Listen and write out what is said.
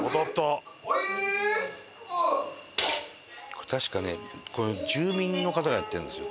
これ確かね住民の方がやってるんですよ